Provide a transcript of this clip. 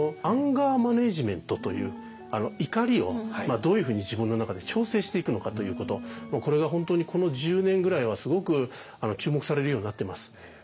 アンガーマネジメントという怒りをどういうふうに自分の中で調整していくのかということこれが本当にこの１０年ぐらいはすごく注目されるようになってます。